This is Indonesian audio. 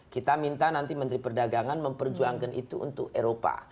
kita minta nanti menteri perdagangan memperjuangkan itu untuk eropa